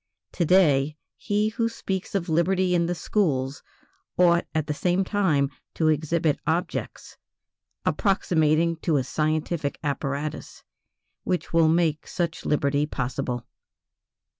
To day, he who speaks of liberty in the schools ought at the same time to exhibit objects approximating to a scientific apparatus which will make such liberty possible.